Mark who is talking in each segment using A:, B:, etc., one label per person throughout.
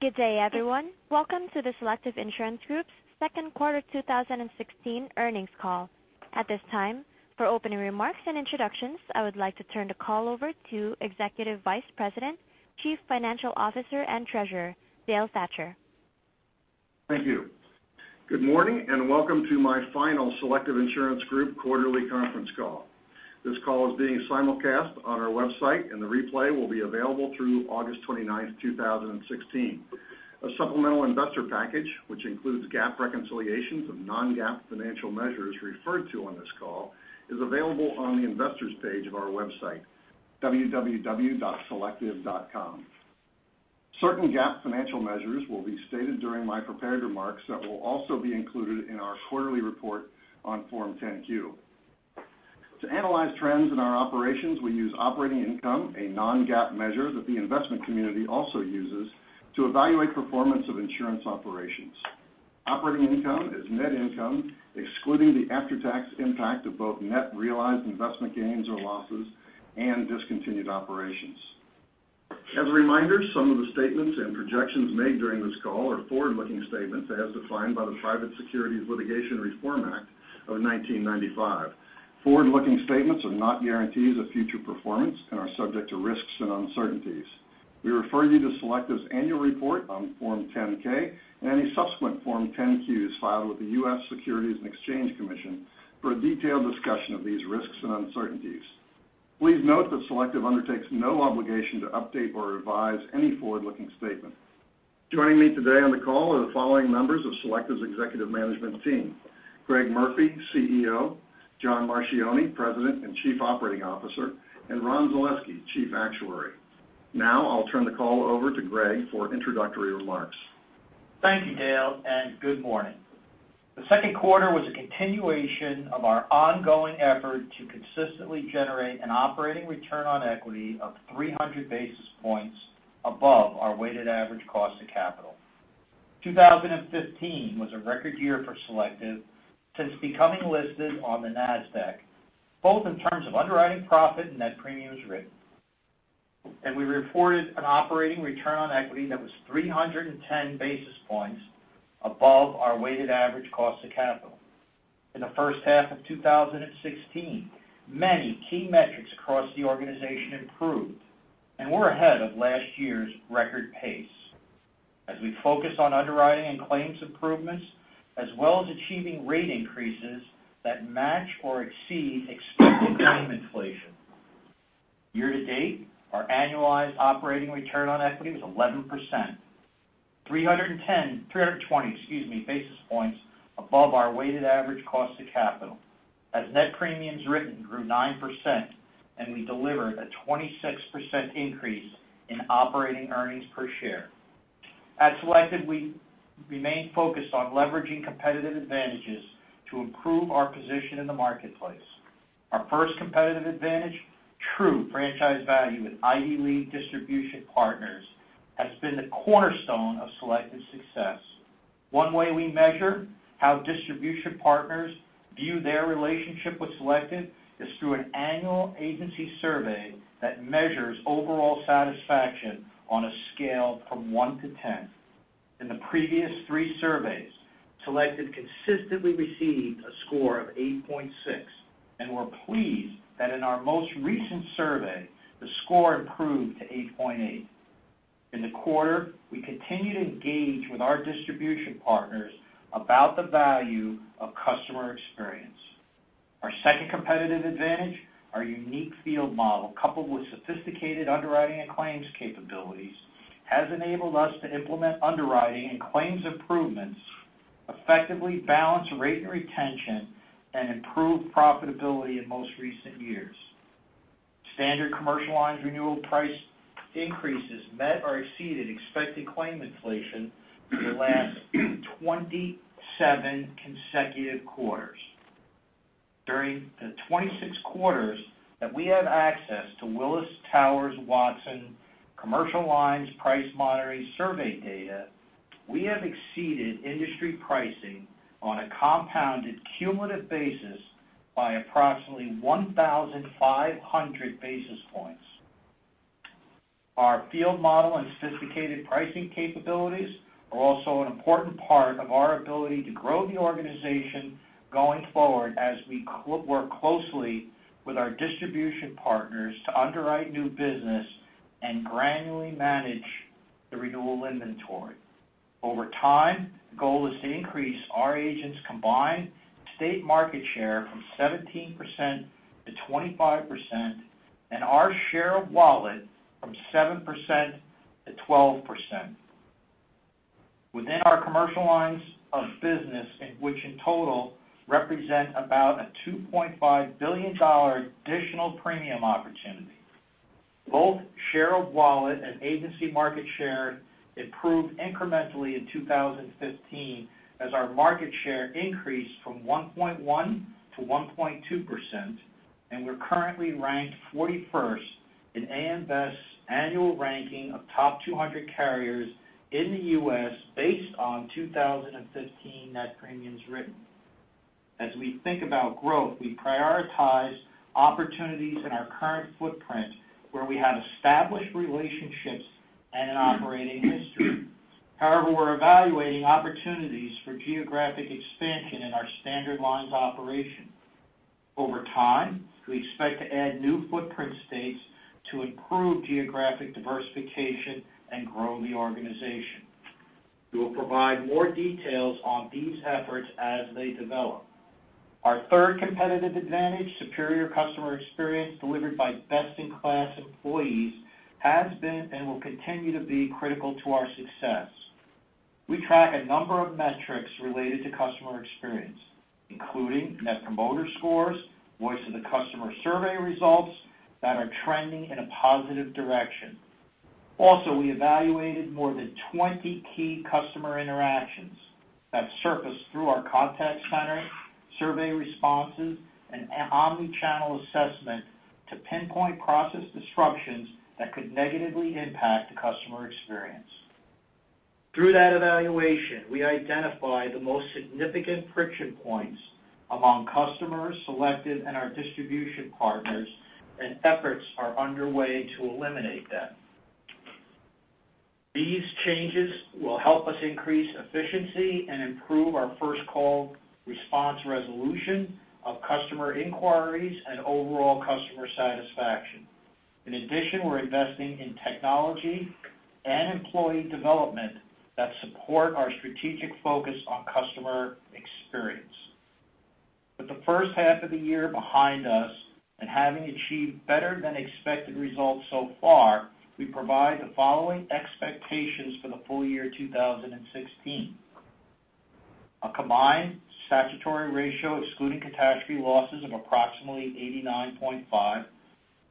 A: Good day, everyone. Welcome to the Selective Insurance Group's second quarter 2016 earnings call. At this time, for opening remarks and introductions, I would like to turn the call over to Executive Vice President, Chief Financial Officer, and Treasurer, Dale Thatcher.
B: Thank you. Good morning, and welcome to my final Selective Insurance Group quarterly conference call. This call is being simulcast on our website. The replay will be available through August 29th, 2016. A supplemental investor package, which includes GAAP reconciliations of non-GAAP financial measures referred to on this call, is available on the investors page of our website, www.selective.com. Certain GAAP financial measures will be stated during my prepared remarks that will also be included in our quarterly report on Form 10-Q. To analyze trends in our operations, we use operating income, a non-GAAP measure that the investment community also uses to evaluate performance of insurance operations. Operating income is net income, excluding the after-tax impact of both net realized investment gains or losses and discontinued operations. As a reminder, some of the statements and projections made during this call are forward-looking statements, as defined by the Private Securities Litigation Reform Act of 1995. Forward-looking statements are not guarantees of future performance and are subject to risks and uncertainties. We refer you to Selective's annual report on Form 10-K and any subsequent Form 10-Qs filed with the U.S. Securities and Exchange Commission for a detailed discussion of these risks and uncertainties. Please note that Selective undertakes no obligation to update or revise any forward-looking statement. Joining me today on the call are the following members of Selective's executive management team: Greg Murphy, CEO, John Marchioni, President and Chief Operating Officer, and Ron Zaleski, Chief Actuary. I'll turn the call over to Greg for introductory remarks.
C: Thank you, Dale, and good morning. The second quarter was a continuation of our ongoing effort to consistently generate an operating return on equity of 300 basis points above our weighted average cost of capital. 2015 was a record year for Selective since becoming listed on the Nasdaq, both in terms of underwriting profit and net premiums written. We reported an operating return on equity that was 310 basis points above our weighted average cost of capital. In the first half of 2016, many key metrics across the organization improved. We're ahead of last year's record pace as we focus on underwriting and claims improvements, as well as achieving rate increases that match or exceed expected claim inflation. Year to date, our annualized operating return on equity was 11%, 320 basis points above our weighted average cost of capital. We delivered a 26% increase in operating earnings per share. At Selective, we remain focused on leveraging competitive advantages to improve our position in the marketplace. Our first competitive advantage, true franchise value with Ivy League distribution partners, has been the cornerstone of Selective's success. One way we measure how distribution partners view their relationship with Selective is through an annual agency survey that measures overall satisfaction on a scale from one to 10. In the previous three surveys, Selective consistently received a score of 8.6. We're pleased that in our most recent survey, the score improved to 8.8. In the quarter, we continued to engage with our distribution partners about the value of customer experience. Our second competitive advantage, our unique field model, coupled with sophisticated underwriting and claims capabilities, has enabled us to implement underwriting and claims improvements, effectively balance rate and retention. Improve profitability in most recent years. Standard commercial lines renewal price increases met or exceeded expected claim inflation for the last 27 consecutive quarters. During the 26 quarters that we have access to Willis Towers Watson commercial lines price monitoring survey data, we have exceeded industry pricing on a compounded cumulative basis by approximately 1,500 basis points. Our field model and sophisticated pricing capabilities are also an important part of our ability to grow the organization going forward as we work closely with our distribution partners to underwrite new business. Granularly manage the renewal inventory. Over time, the goal is to increase our agents' combined state market share from 17% to 25%. Our share of wallet from 7% to 12%. Within our commercial lines of business, which in total represent about a $2.5 billion additional premium opportunity, both share of wallet and agency market share improved incrementally in 2015 as our market share increased from 1.1% to 1.2%. We're currently ranked 41st in AM Best's annual ranking of top 200 carriers in the U.S. based on 2015 net premiums written. As we think about growth, we prioritize opportunities in our current footprint where we have established relationships and an operating history. However, we're evaluating opportunities for geographic expansion in our standard lines operation. Over time, we expect to add new footprint states to improve geographic diversification. Grow the organization. We will provide more details on these efforts as they develop. Our third competitive advantage, superior customer experience delivered by best-in-class employees, has been. Will continue to be critical to our success. We track a number of metrics related to customer experience, including Net Promoter Scores, voice of the customer survey results that are trending in a positive direction. Also, we evaluated more than 20 key customer interactions that surfaced through our contact center, survey responses, and omni-channel assessment to pinpoint process disruptions that could negatively impact the customer experience. Through that evaluation, we identified the most significant friction points among customers, Selective, and our distribution partners. Efforts are underway to eliminate them. These changes will help us increase efficiency. Improve our first-call response resolution of customer inquiries. Overall customer satisfaction. In addition, we're investing in technology and employee development that support our strategic focus on customer experience. With the first half of the year behind us, having achieved better than expected results so far, we provide the following expectations for the full year 2016. A combined statutory ratio excluding catastrophe losses of approximately 89.5%,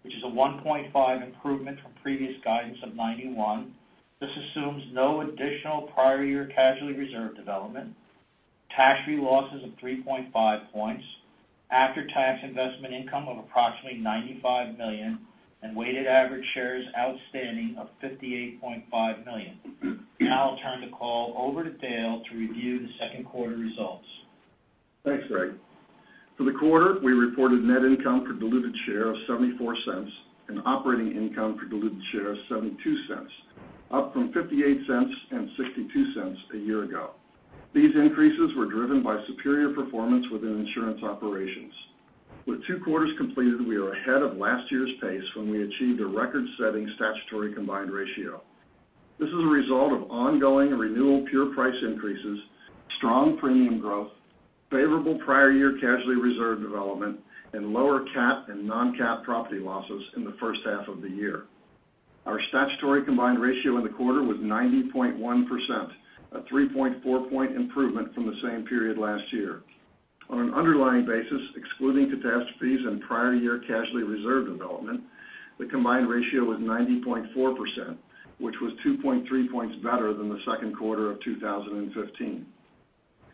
C: which is a 1.5 improvement from previous guidance of 91. This assumes no additional prior year casualty reserve development, catastrophe losses of 3.5 points, after-tax investment income of approximately $95 million, and weighted average shares outstanding of 58.5 million. Now I'll turn the call over to Dale to review the second quarter results.
B: Thanks, Greg. For the quarter, we reported net income per diluted share of $0.74 and operating income per diluted share of $0.72, up from $0.58 and $0.62 a year ago. These increases were driven by superior performance within insurance operations. With two quarters completed, we are ahead of last year's pace when we achieved a record-setting statutory combined ratio. This is a result of ongoing renewal pure price increases, strong premium growth, favorable prior year casualty reserve development, and lower cat and non-cat property losses in the first half of the year. Our statutory combined ratio in the quarter was 90.1%, a 3.4-point improvement from the same period last year. On an underlying basis, excluding catastrophes and prior year casualty reserve development, the combined ratio was 90.4%, which was 2.3 points better than the second quarter of 2015.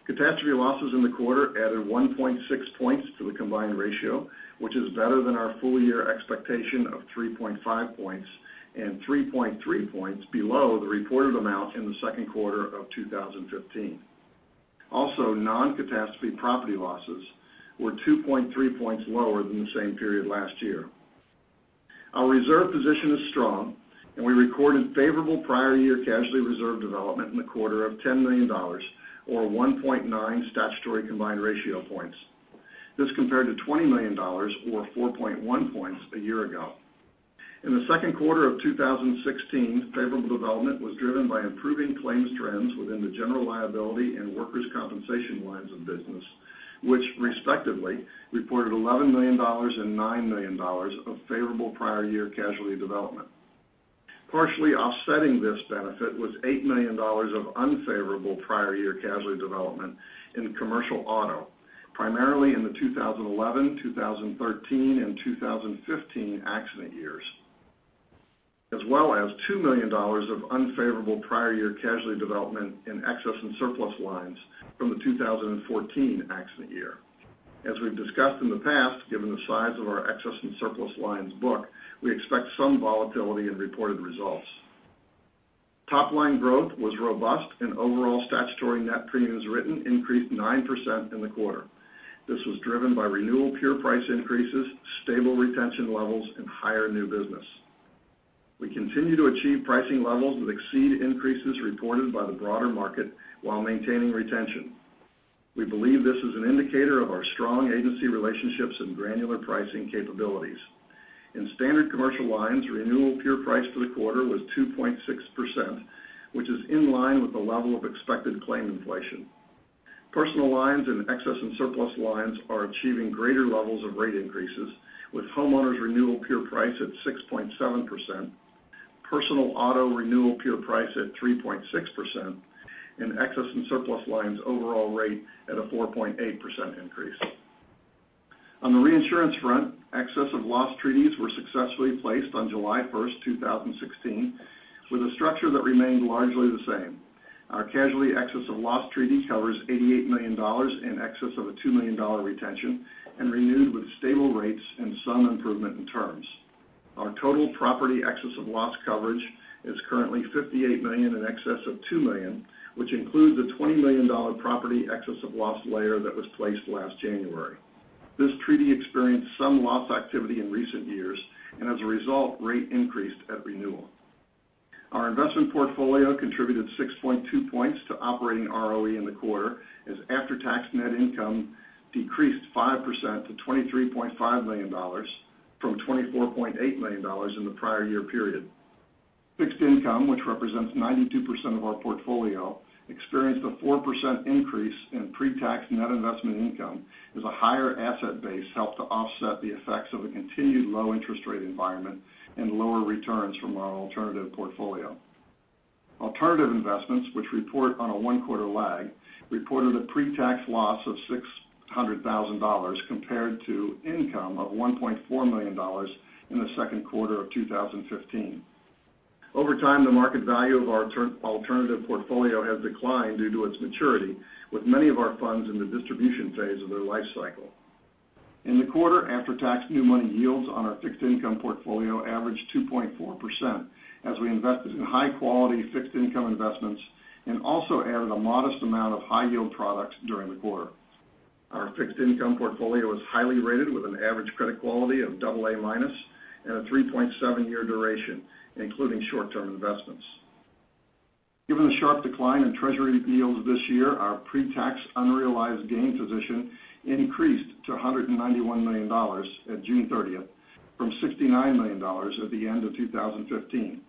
B: Catastrophe losses in the quarter added 1.6 points to the combined ratio, which is better than our full year expectation of 3.5 points and 3.3 points below the reported amount in the second quarter of 2015. Also, non-catastrophe property losses were 2.3 points lower than the same period last year. Our reserve position is strong. We recorded favorable prior year casualty reserve development in the quarter of $10 million, or 1.9 statutory combined ratio points. This compared to $20 million, or 4.1 points a year ago. In the second quarter of 2016, favorable development was driven by improving claims trends within the general liability and workers' compensation lines of business, which respectively reported $11 million and $9 million of favorable prior year casualty development. Partially offsetting this benefit was $8 million of unfavorable prior year casualty development in commercial auto, primarily in the 2011, 2013, and 2015 accident years, as well as $2 million of unfavorable prior year casualty development in excess and surplus lines from the 2014 accident year. As we've discussed in the past, given the size of our excess and surplus lines book, we expect some volatility in reported results. Top-line growth was robust and overall statutory net premiums written increased 9% in the quarter. This was driven by renewal pure price increases, stable retention levels, and higher new business. We continue to achieve pricing levels that exceed increases reported by the broader market while maintaining retention. We believe this is an indicator of our strong agency relationships and granular pricing capabilities. In standard commercial lines, renewal pure price for the quarter was 2.6%, which is in line with the level of expected claim inflation. Personal lines and excess and surplus lines are achieving greater levels of rate increases, with homeowners renewal pure price at 6.7%, personal auto renewal pure price at 3.6%, and excess and surplus lines overall rate at a 4.8% increase. On the reinsurance front, excess of loss treaties were successfully placed on July 1st, 2016, with a structure that remained largely the same. Our casualty excess of loss treaty covers $88 million in excess of a $2 million retention and renewed with stable rates and some improvement in terms. Our total property excess of loss coverage is currently $58 million in excess of $2 million, which includes a $20 million property excess of loss layer that was placed last January. This treaty experienced some loss activity in recent years. As a result, rate increased at renewal. Our investment portfolio contributed 6.2 points to operating ROE in the quarter, as after-tax net income decreased 5% to $23.5 million from $24.8 million in the prior year period. Fixed income, which represents 92% of our portfolio, experienced a 4% increase in pre-tax net investment income, as a higher asset base helped to offset the effects of a continued low interest rate environment and lower returns from our alternative portfolio. Alternative investments, which report on a one-quarter lag, reported a pre-tax loss of $600,000 compared to income of $1.4 million in the second quarter of 2015. Over time, the market value of our alternative portfolio has declined due to its maturity, with many of our funds in the distribution phase of their life cycle. In the quarter, after-tax new money yields on our fixed income portfolio averaged 2.4% as we invested in high-quality fixed income investments and also added a modest amount of high-yield products during the quarter. Our fixed income portfolio was highly rated with an average credit quality of double A minus and a 3.7-year duration, including short-term investments. Given the sharp decline in Treasury yields this year, our pre-tax unrealized gain position increased to $191 million at June 30th, from $69 million at the end of 2015.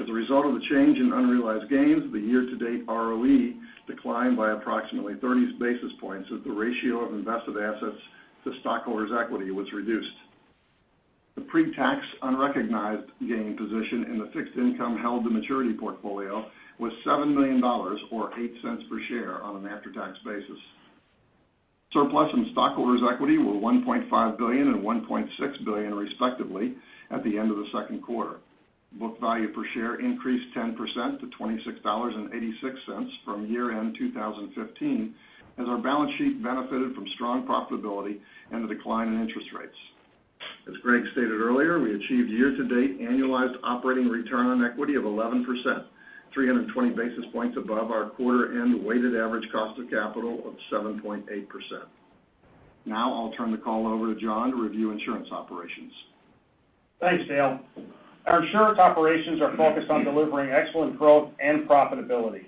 B: As a result of the change in unrealized gains, the year-to-date ROE declined by approximately 30 basis points, as the ratio of invested assets to stockholders' equity was reduced. The pre-tax unrecognized gain position in the fixed income held the maturity portfolio was $7 million, or $0.08 per share on an after-tax basis. Surplus and stockholders' equity were $1.5 billion and $1.6 billion, respectively, at the end of the second quarter. Book value per share increased 10% to $26.86 from year-end 2015, as our balance sheet benefited from strong profitability and the decline in interest rates. As Greg stated earlier, we achieved year-to-date annualized operating return on equity of 11%, 320 basis points above our quarter-end weighted average cost of capital of 7.8%. I'll turn the call over to John to review insurance operations.
D: Thanks, Dale. Our insurance operations are focused on delivering excellent growth and profitability.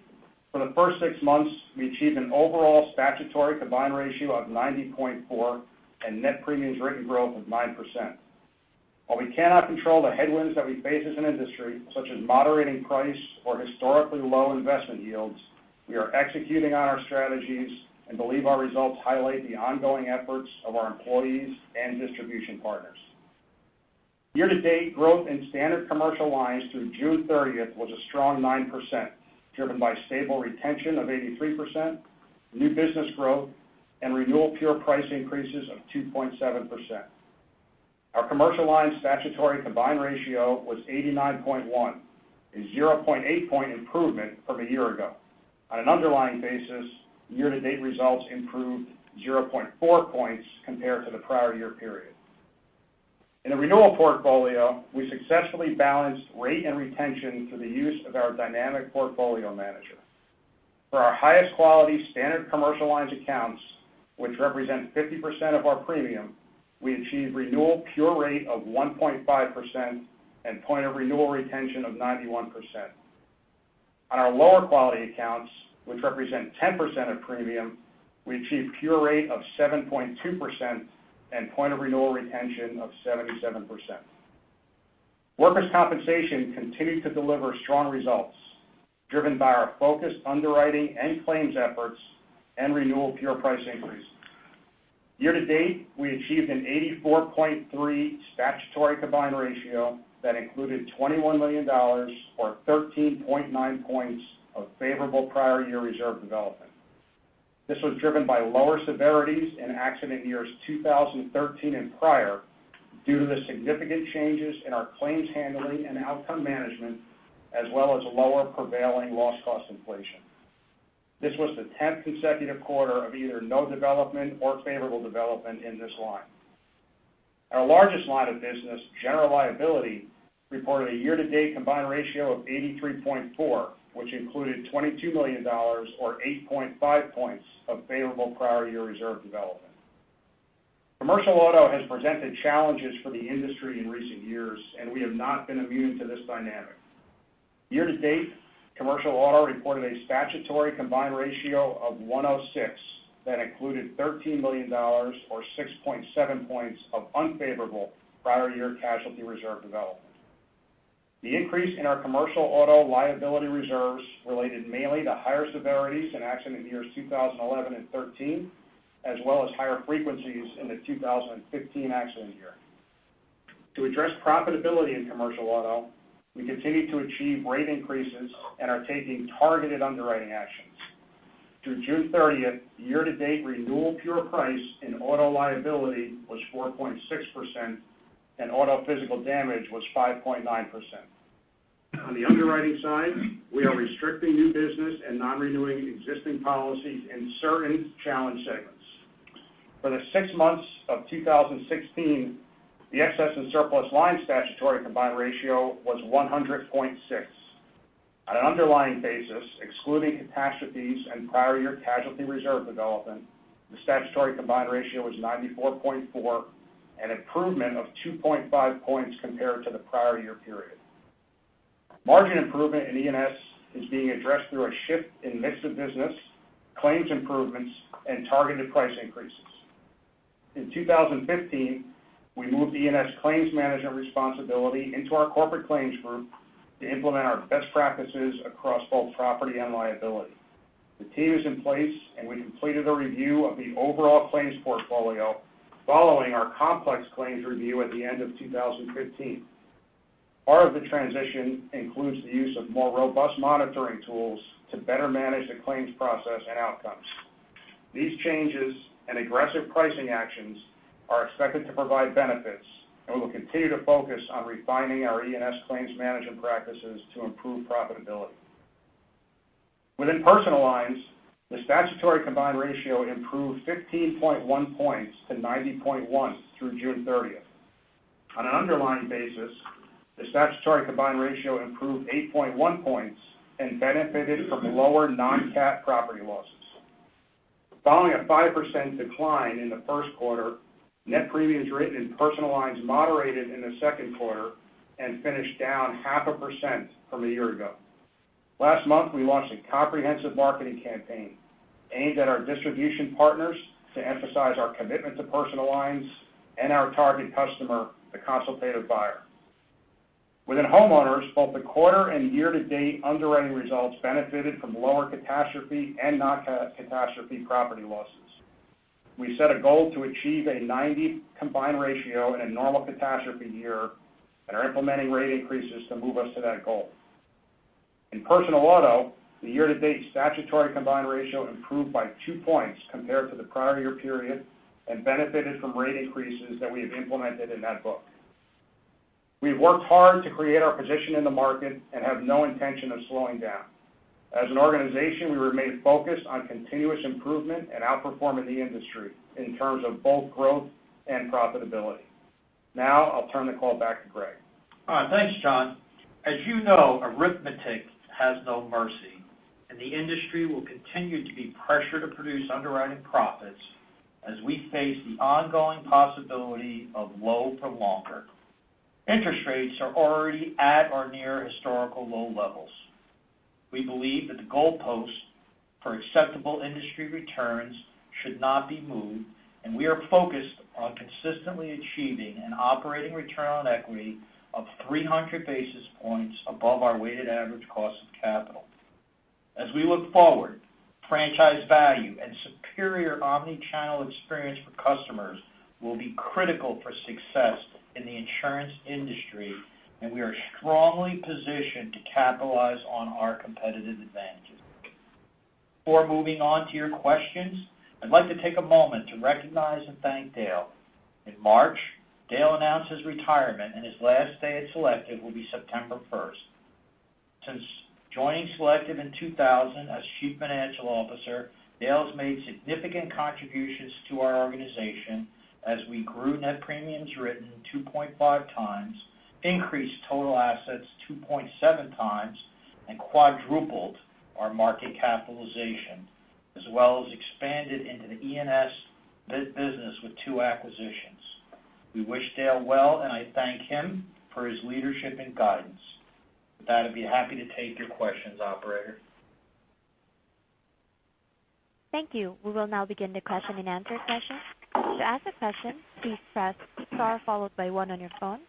D: For the first six months, we achieved an overall statutory combined ratio of 90.4 and net premiums written growth of 9%. While we cannot control the headwinds that we face as an industry, such as moderating price or historically low investment yields, we are executing on our strategies and believe our results highlight the ongoing efforts of our employees and distribution partners. Year-to-date, growth in standard commercial lines through June 30th was a strong 9%, driven by stable retention of 83%, new business growth, and renewal pure price increases of 2.7%. Our commercial lines statutory combined ratio was 89.1, a 0.8-point improvement from a year ago. On an underlying basis, year-to-date results improved 0.4 points compared to the prior year period. In the renewal portfolio, we successfully balanced rate and retention through the use of our dynamic portfolio manager. For our highest quality standard commercial lines accounts, which represent 50% of our premium, we achieved renewal pure rate of 1.5% and point of renewal retention of 91%. On our lower quality accounts, which represent 10% of premium, we achieved pure rate of 7.2% and point of renewal retention of 77%. Workers' compensation continued to deliver strong results, driven by our focused underwriting and claims efforts and renewal pure price increase. Year-to-date, we achieved an 84.3 statutory combined ratio that included $21 million, or 13.9 points of favorable prior year reserve development. This was driven by lower severities in accident years 2013 and prior due to the significant changes in our claims handling and outcome management, as well as lower prevailing loss cost inflation. This was the 10th consecutive quarter of either no development or favorable development in this line. Our largest line of business, general liability, reported a year-to-date combined ratio of 83.4, which included $22 million, or 8.5 points of favorable prior year reserve development. Commercial auto has presented challenges for the industry in recent years, and we have not been immune to this dynamic. Year-to-date, commercial auto reported a statutory combined ratio of 106 that included $13 million, or 6.7 points of unfavorable prior year casualty reserve development. The increase in our commercial auto liability reserves related mainly to higher severities in accident years 2011 and 2013, as well as higher frequencies in the 2015 accident year. To address profitability in commercial auto, we continue to achieve rate increases and are taking targeted underwriting actions. Through June 30th, year-to-date renewal pure price in auto liability was 4.6%, and auto physical damage was 5.9%. On the underwriting side, we are restricting new business and non-renewing existing policies in certain challenged segments. For the six months of 2016, the excess and surplus lines statutory combined ratio was 100.6. On an underlying basis, excluding catastrophes and prior year casualty reserve development, the statutory combined ratio was 94.4, an improvement of 2.5 points compared to the prior year period. Margin improvement in E&S is being addressed through a shift in mix of business, claims improvements, and targeted price increases. In 2015, we moved E&S claims management responsibility into our corporate claims group to implement our best practices across both property and liability. The team is in place, and we completed a review of the overall claims portfolio following our complex claims review at the end of 2015. Part of the transition includes the use of more robust monitoring tools to better manage the claims process and outcomes. These changes and aggressive pricing actions are expected to provide benefits, and we'll continue to focus on refining our E&S claims management practices to improve profitability. Within personal lines, the statutory combined ratio improved 15.1 points to 90.1 through June 30th. On an underlying basis, the statutory combined ratio improved 8.1 points and benefited from lower non-cat property losses. Following a 5% decline in the first quarter, net premiums written in personal lines moderated in the second quarter and finished down half a percent from a year ago. Last month, we launched a comprehensive marketing campaign aimed at our distribution partners to emphasize our commitment to personal lines and our target customer, the consultative buyer. Within homeowners, both the quarter and year-to-date underwriting results benefited from lower catastrophe and non-catastrophe property losses. We set a goal to achieve a 90 combined ratio in a normal catastrophe year and are implementing rate increases to move us to that goal. In personal auto, the year-to-date statutory combined ratio improved by two points compared to the prior year period and benefited from rate increases that we have implemented in that book. We've worked hard to create our position in the market and have no intention of slowing down. As an organization, we remain focused on continuous improvement and outperforming the industry in terms of both growth and profitability. Now, I'll turn the call back to Greg.
C: All right. Thanks, John. As you know, arithmetic has no mercy, and the industry will continue to be pressured to produce underwriting profits as we face the ongoing possibility of low for longer. Interest rates are already at or near historical low levels. We believe that the goalpost for acceptable industry returns should not be moved, and we are focused on consistently achieving an operating return on equity of 300 basis points above our weighted average cost of capital. As we look forward, franchise value and superior omni-channel experience for customers will be critical for success in the insurance industry, and we are strongly positioned to capitalize on our competitive advantages. Before moving on to your questions, I'd like to take a moment to recognize and thank Dale. In March, Dale announced his retirement, and his last day at Selective will be September 1st. Since joining Selective in 2000 as Chief Financial Officer, Dale's made significant contributions to our organization as we grew net premiums written 2.5 times, increased total assets 2.7 times, and quadrupled our market capitalization, as well as expanded into the E&S business with two acquisitions. We wish Dale well, and I thank him for his leadership and guidance. With that, I'd be happy to take your questions, operator.
A: Thank you. We will now begin the question and answer session. To ask a question, please press star followed by one on your phone.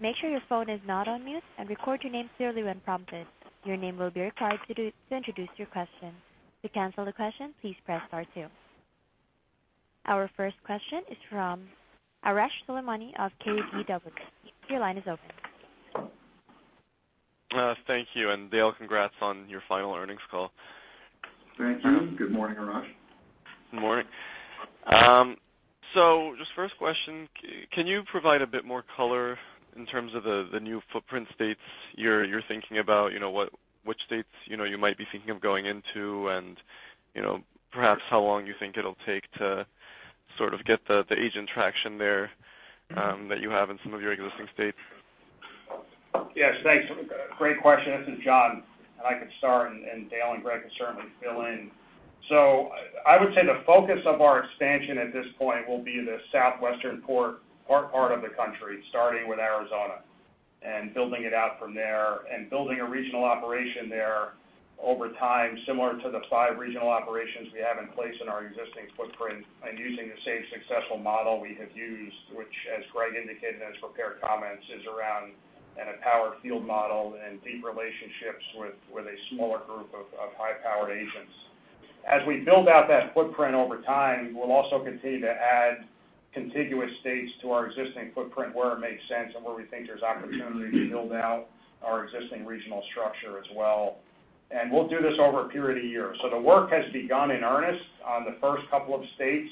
A: Make sure your phone is not on mute and record your name clearly when prompted. Your name will be required to introduce your question. To cancel the question, please press star two. Our first question is from Arash Soleimani of KBW. Your line is open.
E: Thank you, and Dale, congrats on your final earnings call.
B: Thank you. Good morning, Arash.
E: Good morning. Just first question, can you provide a bit more color in terms of the new footprint states you're thinking about, which states you might be thinking of going into and perhaps how long you think it'll take to sort of get the agent traction there that you have in some of your existing states?
D: Yes. Thanks. Great question. This is John, and I can start, and Dale and Greg can certainly fill in. I would say the focus of our expansion at this point will be the Southwestern part of the country, starting with Arizona and building it out from there and building a regional operation there over time, similar to the 5 regional operations we have in place in our existing footprint and using the same successful model we have used, which, as Greg indicated in his prepared comments, is around an empowered field model and deep relationships with a smaller group of high-powered agents. As we build out that footprint over time, we'll also continue to add contiguous states to our existing footprint where it makes sense and where we think there's opportunity to build out our existing regional structure as well. We'll do this over a period of years. The work has begun in earnest on the first couple of states.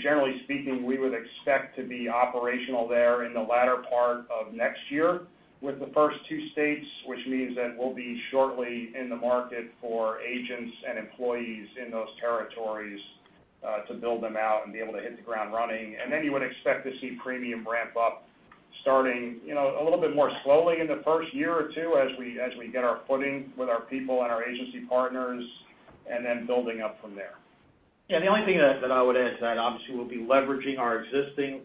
D: Generally speaking, we would expect to be operational there in the latter part of next year with the first two states, which means that we'll be shortly in the market for agents and employees in those territories to build them out and be able to hit the ground running. Then you would expect to see premium ramp up starting a little bit more slowly in the first year or two as we get our footing with our people and our agency partners, then building up from there.
C: Yeah. The only thing that I would add to that, obviously, we'll be leveraging our existing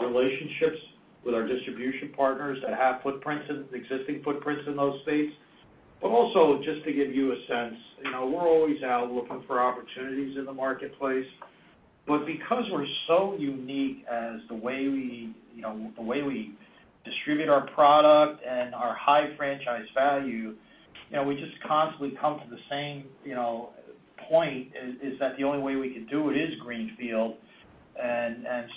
C: relationships with our distribution partners that have existing footprints in those states. Also, just to give you a sense, we're always out looking for opportunities in the marketplace. Because we're so unique as the way we distribute our product and our high franchise value, we just constantly come to the same point, is that the only way we could do it is greenfield. That's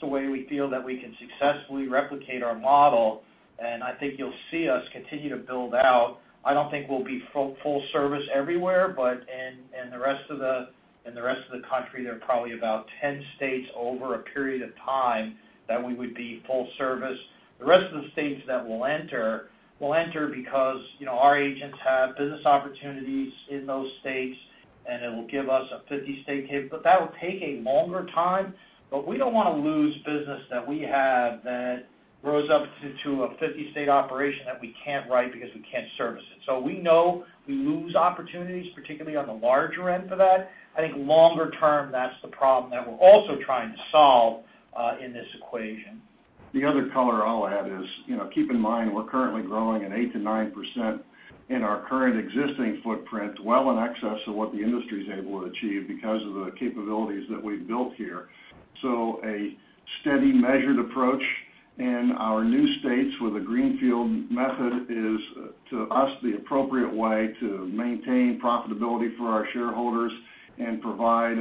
C: the way we feel that we can successfully replicate our model, and I think you'll see us continue to build out. I don't think we'll be full service everywhere, but in the rest of the country, there are probably about 10 states over a period of time that we would be full service. The rest of the states that we'll enter, we'll enter because our agents have business opportunities in those states, and it will give us a 50-state capability. That'll take a longer time, but we don't want to lose business that we have that rose up to a 50-state operation that we can't write because we can't service it. We know we lose opportunities, particularly on the larger end of that. I think longer term, that's the problem that we're also trying to solve in this equation.
B: The other color I'll add is. Keep in mind we're currently growing at 8%-9% in our current existing footprint, well in excess of what the industry's able to achieve because of the capabilities that we've built here. A steady measured approach in our new states with a greenfield method is, to us, the appropriate way to maintain profitability for our shareholders and provide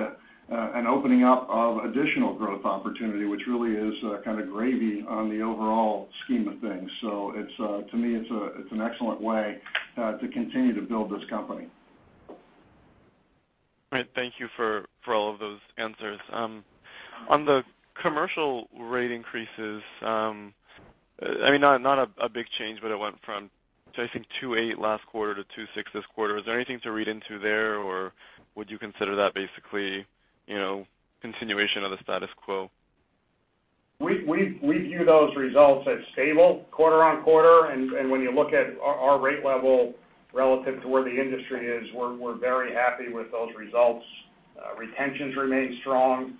B: an opening up of additional growth opportunity, which really is kind of gravy on the overall scheme of things. To me, it's an excellent way to continue to build this company.
E: Great. Thank you for all of those answers. On the commercial rate increases, not a big change, but it went from, I think, 2.8% last quarter to 2.6% this quarter. Is there anything to read into there, or would you consider that basically continuation of the status quo?
D: We view those results as stable quarter-on-quarter. When you look at our rate level relative to where the industry is, we're very happy with those results. Retentions remain strong.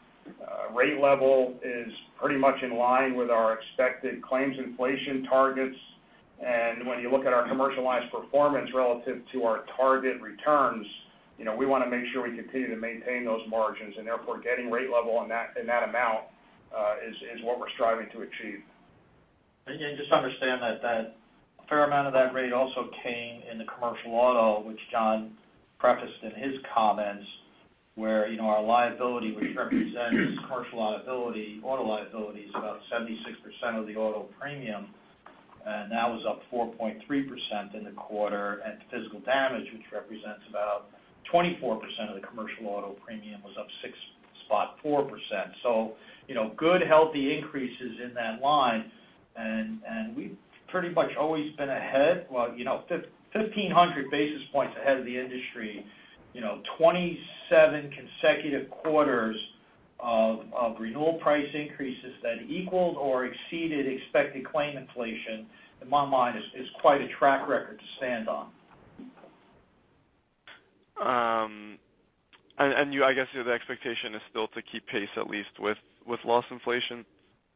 D: Rate level is pretty much in line with our expected claims inflation targets. When you look at our commercial lines performance relative to our target returns, we want to make sure we continue to maintain those margins. Therefore, getting rate level in that amount is what we're striving to achieve.
C: Just understand that a fair amount of that rate also came in the commercial auto, which John prefaced in his comments, where our liability, which represents commercial liability, auto liability, is about 76% of the auto premium. That was up 4.3% in the quarter. Physical damage, which represents about 24% of the commercial auto premium, was up 6.4%. Good, healthy increases in that line. We've pretty much always been ahead. 1,500 basis points ahead of the industry, 27 consecutive quarters of renewal price increases that equaled or exceeded expected claim inflation, in my mind, is quite a track record to stand on.
E: I guess the expectation is still to keep pace, at least, with loss inflation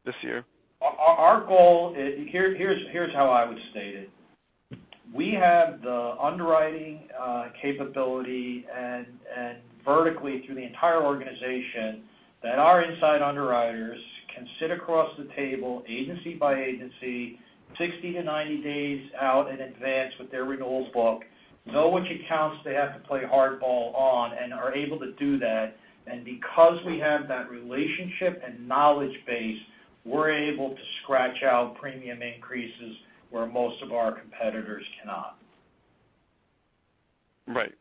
E: this year?
C: Here's how I would state it. We have the underwriting capability and vertically through the entire organization that our inside underwriters can sit across the table agency by agency, 60-90 days out in advance with their renewals book, know which accounts they have to play hardball on, and are able to do that. Because we have that relationship and knowledge base, we're able to scratch out premium increases where most of our competitors cannot.
E: Right.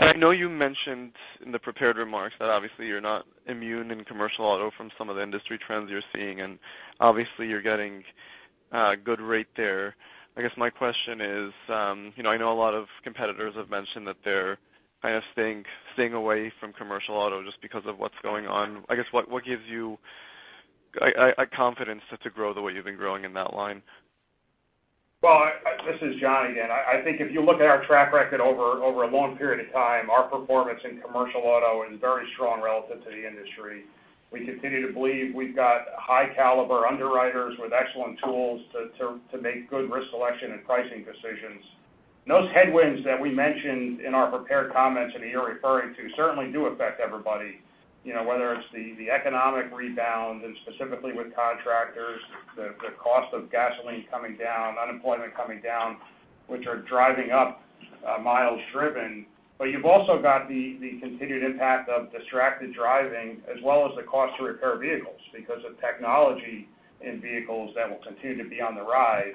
E: I know you mentioned in the prepared remarks that obviously you're not immune in commercial auto from some of the industry trends you're seeing, and obviously you're getting a good rate there. I guess my question is, I know a lot of competitors have mentioned that they're kind of staying away from commercial auto just because of what's going on. I guess what gives you a confidence to grow the way you've been growing in that line?
D: Well, this is John again. I think if you look at our track record over a long period of time, our performance in commercial auto is very strong relative to the industry. We continue to believe we've got high caliber underwriters with excellent tools to make good risk selection and pricing decisions. Those headwinds that we mentioned in our prepared comments and you're referring to certainly do affect everybody. Whether it's the economic rebound and specifically with contractors, the cost of gasoline coming down, unemployment coming down, which are driving up miles driven. You've also got the continued impact of distracted driving as well as the cost to repair vehicles because of technology in vehicles that will continue to be on the rise.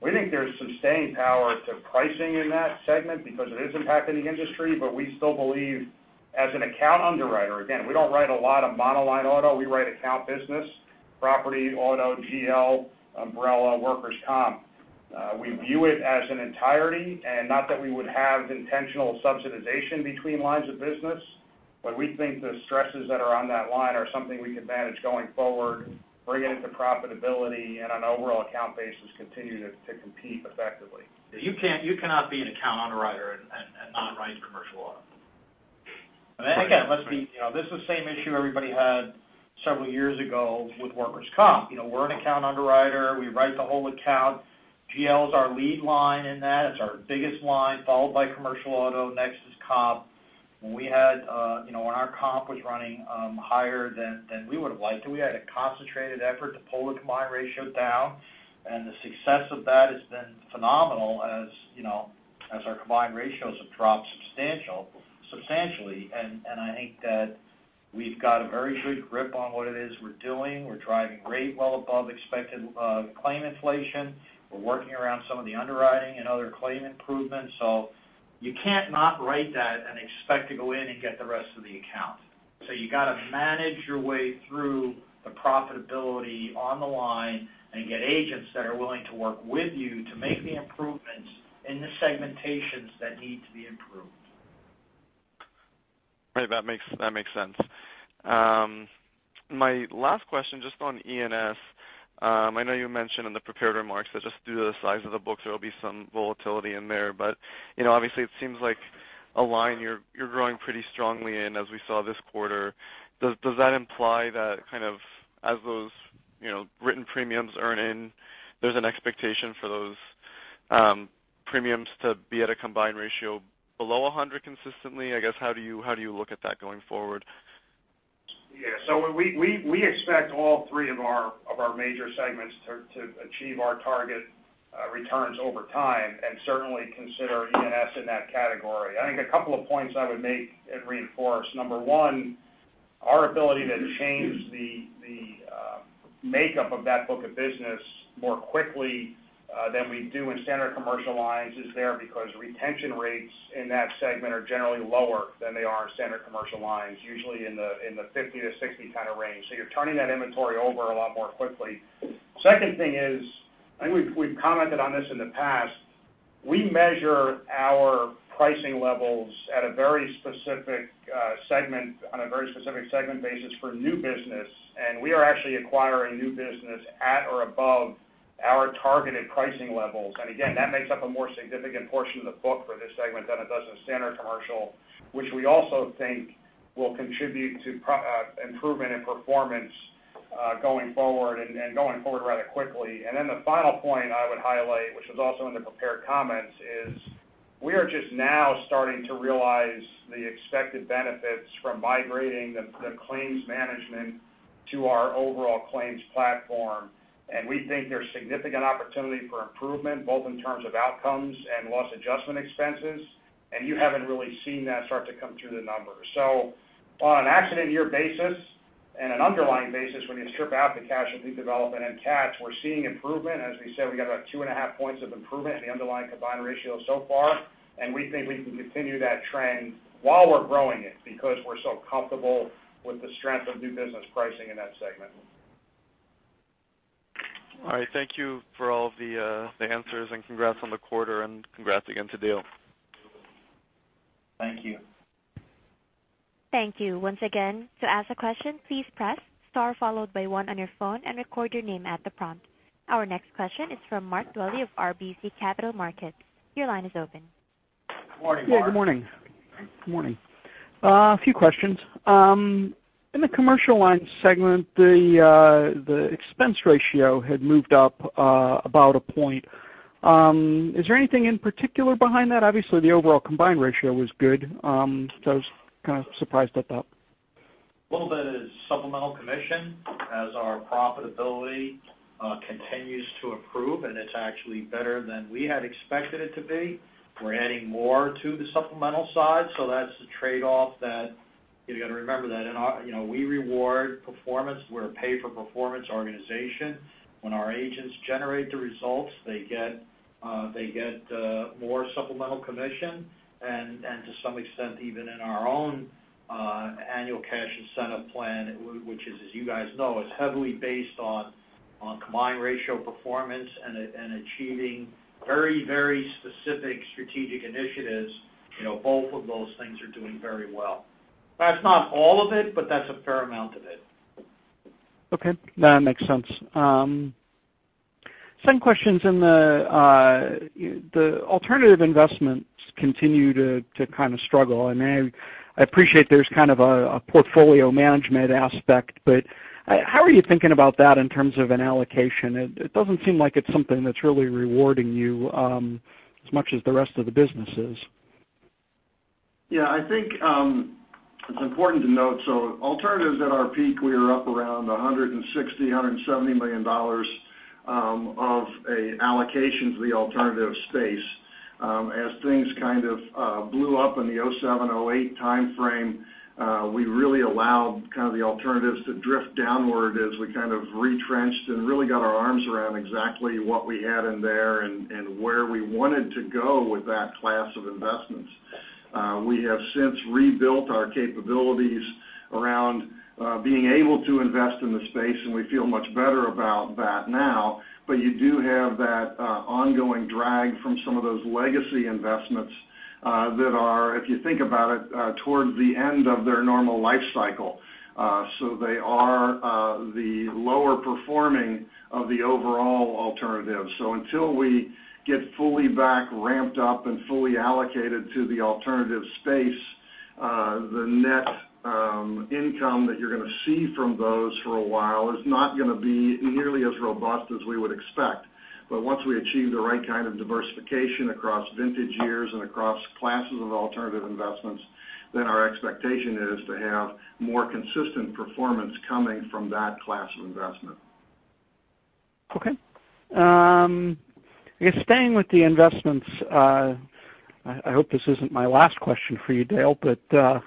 D: We think there's some staying power to pricing in that segment because it is impacting the industry. We still believe as an account underwriter, again, we don't write a lot of monoline auto, we write account business. Property, auto, GL, umbrella, workers' comp. We view it as an entirety, and not that we would have intentional subsidization between lines of business, but we think the stresses that are on that line are something we can manage going forward, bring it to profitability and on an overall account basis continue to compete effectively. You cannot be an account underwriter and not write commercial auto. Again, this is the same issue everybody had several years ago with workers' comp. We're an account underwriter. We write the whole account. GL is our lead line in that. It's our biggest line, followed by commercial auto. Next is comp. When our comp was running higher than we would've liked it, we had a concentrated effort to pull the combined ratio down, and the success of that has been phenomenal as our combined ratios have dropped substantially. I think that we've got a very good grip on what it is we're doing. We're driving rate well above expected claim inflation. We're working around some of the underwriting and other claim improvements. You can't not write that and expect to go in and get the rest of the account. You got to manage your way through the profitability on the line and get agents that are willing to work with you to make the improvements in the segmentations that need to be improved.
E: Right. That makes sense. My last question, just on E&S. I know you mentioned in the prepared remarks that just due to the size of the books, there'll be some volatility in there, but obviously it seems like a line you're growing pretty strongly in as we saw this quarter. Does that imply that as those written premiums earn in, there's an expectation for those premiums to be at a combined ratio below 100 consistently? I guess, how do you look at that going forward?
D: Yeah. We expect all three of our major segments to achieve our target returns over time, and certainly consider E&S in that category. I think a couple of points I would make and reinforce. Number one, our ability to change the makeup of that book of business more quickly than we do in standard commercial lines is there because retention rates in that segment are generally lower than they are in standard commercial lines, usually in the 50-60 kind of range. You're turning that inventory over a lot more quickly. Second thing is, I think we've commented on this in the past, we measure our pricing levels on a very specific segment basis for new business, and we are actually acquiring new business at or above our targeted pricing levels. Again, that makes up a more significant portion of the book for this segment than it does in standard commercial, which we also think will contribute to improvement in performance going forward and going forward rather quickly. Then the final point I would highlight, which was also in the prepared comments, is we are just now starting to realize the expected benefits from migrating the claims management to our overall claims platform. We think there's significant opportunity for improvement, both in terms of outcomes and loss adjustment expenses. You haven't really seen that start to come through the numbers. On an accident year basis and an underlying basis, when you strip out the casualty development and cats, we're seeing improvement. As we said, we got about two and a half points of improvement in the underlying combined ratio so far, and we think we can continue that trend while we're growing it because we're so comfortable with the strength of new business pricing in that segment.
E: All right. Thank you for all of the answers, and congrats on the quarter, and congrats again to Dale.
D: Thank you.
A: Thank you. Once again, to ask a question, please press star followed by one on your phone and record your name at the prompt. Our next question is from Mark Dwelle of RBC Capital Markets. Your line is open.
D: Morning, Mark. Yeah, good morning.
F: Good morning. A few questions. In the commercial line segment, the expense ratio had moved up about a point. Is there anything in particular behind that? Obviously, the overall combined ratio was good. I was kind of surprised at that.
D: A little bit is supplemental commission. As our profitability continues to improve, and it's actually better than we had expected it to be, we're adding more to the supplemental side. That's the trade-off that you got to remember, that we reward performance. We're a pay-for-performance organization. When our agents generate the results, they get more supplemental commission, and to some extent, even in our own annual cash incentive plan, which as you guys know, is heavily based on combined ratio performance and achieving very specific strategic initiatives. Both of those things are doing very well. That's not all of it, but that's a fair amount of it.
F: Okay. That makes sense. Some questions in the alternative investments continue to kind of struggle. I appreciate there's kind of a portfolio management aspect, how are you thinking about that in terms of an allocation? It doesn't seem like it's something that's really rewarding you as much as the rest of the business is.
B: Yeah, I think it's important to note, alternatives at our peak, we were up around $160 million, $170 million of allocations to the alternative space. As things kind of blew up in the 2007, 2008 timeframe, we really allowed kind of the alternatives to drift downward as we kind of retrenched and really got our arms around exactly what we had in there and where we wanted to go with that class of investments. We have since rebuilt our capabilities around being able to invest in the space, and we feel much better about that now. You do have that ongoing drag from some of those legacy investments that are, if you think about it, towards the end of their normal life cycle. They are the lower performing of the overall alternative. Until we get fully back ramped up and fully allocated to the alternative space, the net income that you're going to see from those for a while is not going to be nearly as robust as we would expect. Once we achieve the right kind of diversification across vintage years and across classes of alternative investments, our expectation is to have more consistent performance coming from that class of investment.
F: Okay. I guess staying with the investments, I hope this isn't my last question for you, Dale, I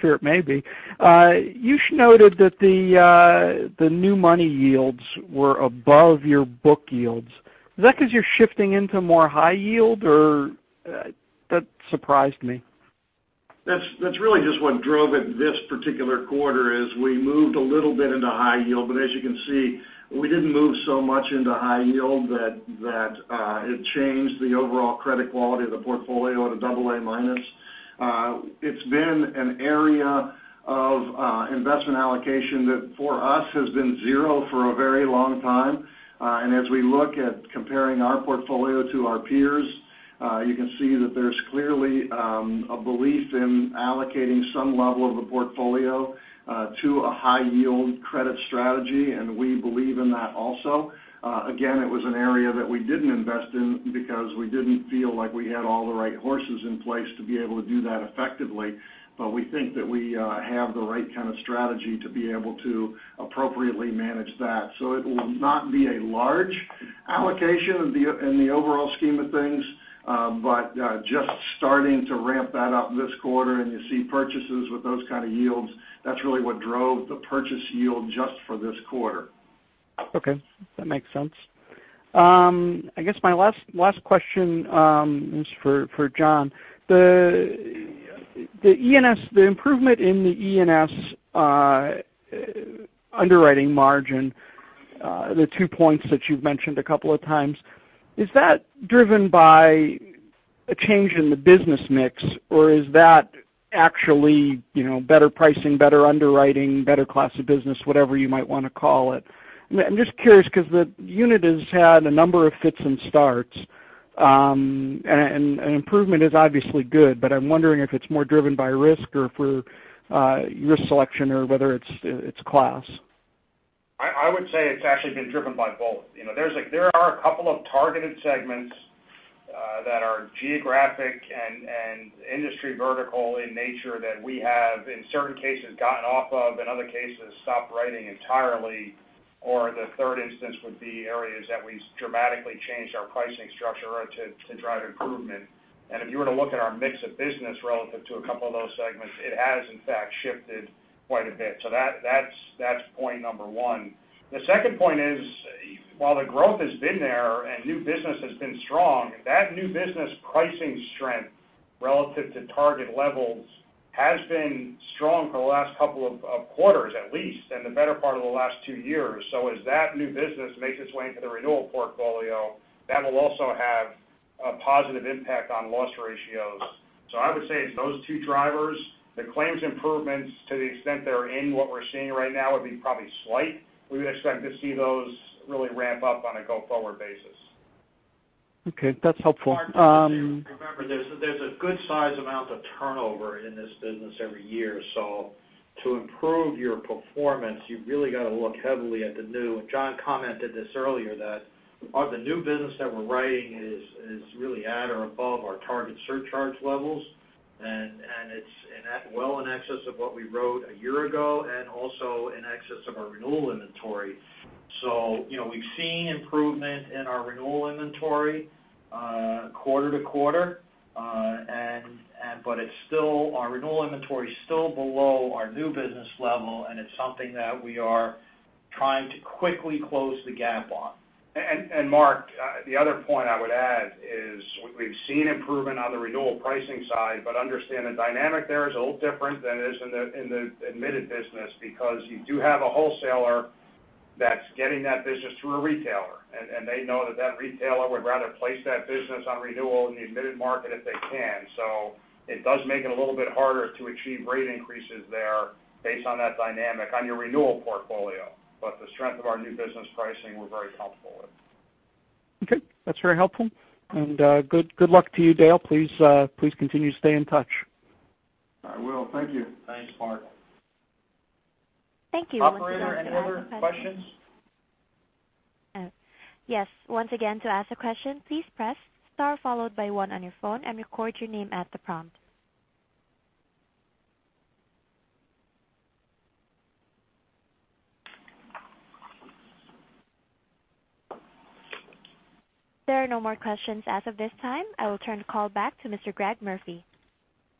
F: fear it may be. You noted that the new money yields were above your book yields. Is that because you're shifting into more high yield, or? That surprised me.
B: That's really just what drove it this particular quarter, is we moved a little bit into high yield. As you can see, we didn't move so much into high yield that it changed the overall credit quality of the portfolio to double A minus. It's been an area of investment allocation that, for us, has been zero for a very long time. As we look at comparing our portfolio to our peers' you can see that there's clearly a belief in allocating some level of the portfolio to a high-yield credit strategy. We believe in that also. Again, it was an area that we didn't invest in because we didn't feel like we had all the right horses in place to be able to do that effectively. We think that we have the right kind of strategy to be able to appropriately manage that. It will not be a large allocation in the overall scheme of things, but just starting to ramp that up this quarter. You see purchases with those kind of yields. That's really what drove the purchase yield just for this quarter.
F: Okay. That makes sense. I guess my last question is for John. The improvement in the E&S underwriting margin, the two points that you've mentioned a couple of times, is that driven by a change in the business mix, or is that actually better pricing, better underwriting, better class of business, whatever you might want to call it? I'm just curious because the unit has had a number of fits and starts, and improvement is obviously good, but I'm wondering if it's more driven by risk or through risk selection or whether it's class.
D: I would say it's actually been driven by both. There are a couple of targeted segments that are geographic and industry vertical in nature that we have, in certain cases, gotten off of, in other cases, stopped writing entirely. The third instance would be areas that we dramatically changed our pricing structure to drive improvement. If you were to look at our mix of business relative to a couple of those segments, it has in fact shifted quite a bit. That's point number one. The second point is, while the growth has been there and new business has been strong, that new business pricing strength relative to target levels has been strong for the last couple of quarters at least, and the better part of the last two years. As that new business makes its way into the renewal portfolio, that will also have a positive impact on loss ratios. I would say it's those two drivers. The claims improvements to the extent they're in what we're seeing right now would be probably slight. We would expect to see those really ramp up on a go-forward basis.
F: Okay. That's helpful.
C: Mark Dwelle, remember, there's a good size amount of turnover in this business every year. To improve your performance, you've really got to look heavily at the new. John Marchioni commented this earlier, that the new business that we're writing is really at or above our target surcharge levels, and it's well in excess of what we wrote one year ago, and also in excess of our renewal inventory. We've seen improvement in our renewal inventory quarter-to-quarter, but our renewal inventory is still below our new business level, and it's something that we are trying to quickly close the gap on.
D: Mark Dwelle, the other point I would add is we've seen improvement on the renewal pricing side, but understand the dynamic there is a little different than it is in the admitted business because you do have a wholesaler that's getting that business through a retailer. They know that that retailer would rather place that business on renewal in the admitted market if they can. It does make it a little bit harder to achieve rate increases there based on that dynamic on your renewal portfolio. The strength of our new business pricing, we're very comfortable with.
F: Okay. That's very helpful. Good luck to you, Dale. Please continue to stay in touch.
B: I will. Thank you.
D: Thanks, Mark.
A: Thank you.
D: Operator, any other questions?
A: Yes. Once again, to ask a question, please press star followed by one on your phone and record your name at the prompt. There are no more questions as of this time. I will turn the call back to Mr. Greg Murphy.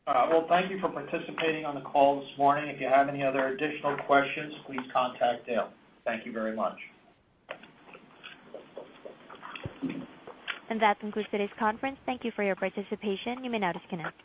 C: Well, thank you for participating on the call this morning. If you have any other additional questions, please contact Dale. Thank you very much.
A: That concludes today's conference. Thank you for your participation. You may now disconnect.